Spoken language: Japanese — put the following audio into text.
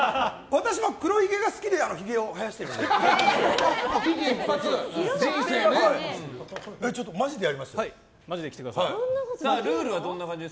私は黒ひげが好きでひげを生やしているので。